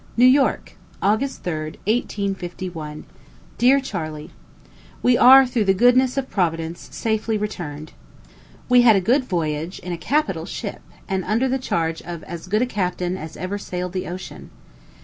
NEW YORK, August 3,1851. DEAR CHARLEY: We are, through the goodness of Providence, safely returned. We had a good voyage, in a capital ship, and under the charge of as good a captain as ever sailed the ocean.